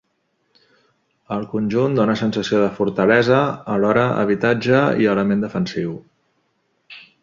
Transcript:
El conjunt dóna sensació de fortalesa, alhora habitatge i element defensiu.